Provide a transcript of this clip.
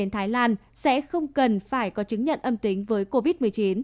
thái lan sẽ không cần phải có chứng nhận âm tính với covid một mươi chín